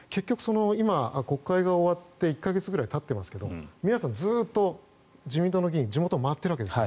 今、国会が終わって１か月ぐらいたっていますが皆さんずっと、自民党の議員地元を回っているわけです。